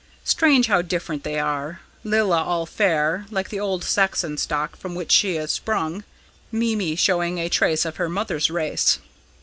Strange how different they are! Lilla all fair, like the old Saxon stock from which she is sprung; Mimi showing a trace of her mother's race.